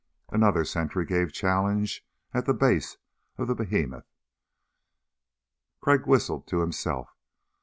Another sentry gave challenge at the base of the behemoth. Crag whistled to himself.